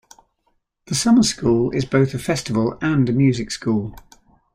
The Summer School is both a festival and a music school.